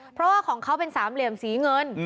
เพราะว่าของเขาเป็นสามเหลี่ยมสีเงิน